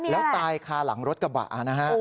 แล้วตายคาหลังรถกระบะนะฮะ